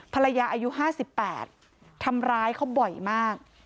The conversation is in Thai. ภรรยาอายุห้าสิบแปดทำร้ายเขาบ่อยมาก